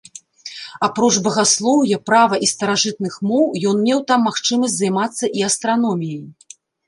Апроч багаслоўя, права і старажытных моў, ён меў там магчымасць займацца і астраноміяй.